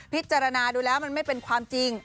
พิจารณาดูแล้วมันไม่เป็นความจริง